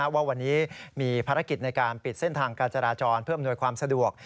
ว่าวันนี้มีภารกิจในการปิดเส้นทางการจราจรเพื่ออำนวยความสะดวก